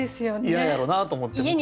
嫌やろなと思って僕も。